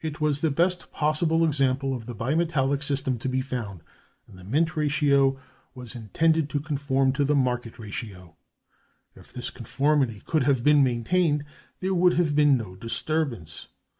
It was the best possible example of the bimetallic system to be found, and the mint ratio was intended to conform to the market ratio. If this conformity could have been maintained, there would have been no disturbance.